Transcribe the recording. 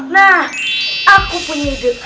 nah aku punya ide